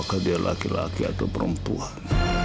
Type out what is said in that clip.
apakah dia laki laki atau perempuan